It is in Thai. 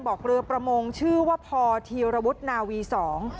บอกเรือประมงชื่อว่าพอธีรวุฒนาวีสอง